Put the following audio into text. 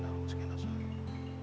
bapak syariah boy ya